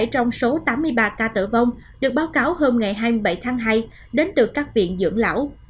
bảy trong số tám mươi ba ca tử vong được báo cáo hôm ngày hai mươi bảy tháng hai đến từ các viện dưỡng lão